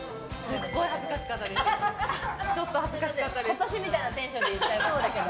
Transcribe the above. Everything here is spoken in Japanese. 今年みたいなテンションでいっちゃいましたけど。